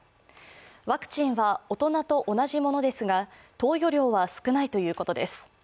ワクチンは大人と同じものですが、投与量は少ないということです。